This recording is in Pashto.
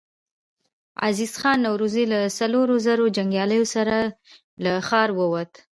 عزيز خان نورزی له څلورو زرو جنګياليو سره له ښاره ووت.